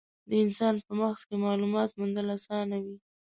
د انسان په مغز کې مالومات موندل اسانه وي.